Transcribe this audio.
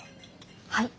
はい。